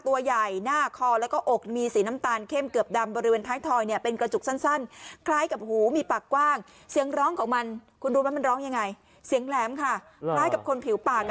ตัวใหญ่หน้าคอแล้วก็อกมีสีน้ำตาลเข้มเกือบดำบริเวณท้ายทอยเนี่ยเป็นกระจุกสั้นคล้ายกับหูมีปากกว้างเสียงร้องของมันคุณรู้ไหมมันร้องยังไงเสียงแหลมค่ะคล้ายกับคนผิวปาก